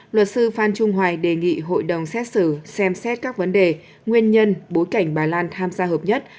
luật sư phan trung hoài đề nghị hội đồng xét xử xem xét các vấn đề nguyên nhân bối cảnh bà lan tham gia hợp nhất